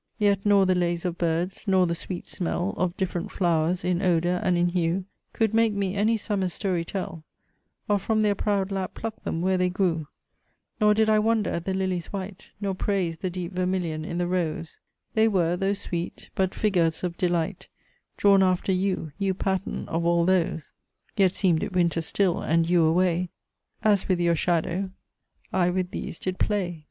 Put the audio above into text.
Yet nor the lays of birds, nor the sweet smell Of different flowers in odour and in hue, Could make me any summer's story tell, Or from their proud lap pluck them, where they grew Nor did I wonder at the lilies white, Nor praise the deep vermilion in the rose; They were, tho' sweet, but figures of delight, Drawn after you, you pattern of all those. Yet seem'd it winter still, and, you away, As with your shadow, I with these did play!"